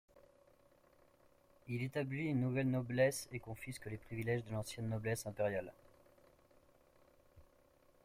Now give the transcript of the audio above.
Il établit une nouvelle noblesse et confisque les privilèges de l'ancienne noblesse impériale.